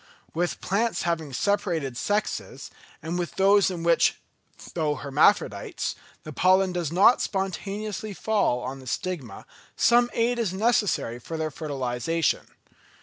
With plants having separated sexes, and with those in which, though hermaphrodites, the pollen does not spontaneously fall on the stigma, some aid is necessary for their fertilisation.